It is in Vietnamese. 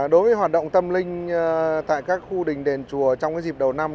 đối với hoạt động tâm linh tại các khu đình đền chùa trong dịp đầu năm